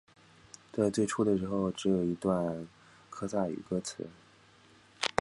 在最初的时候只有一段科萨语歌词。